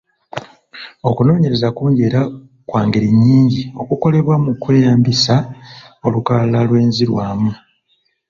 Okunoonyereza kungi era kwa ngeri nnyingi okukolebwa mu kweyambisa olukalala lw’enzirwamu.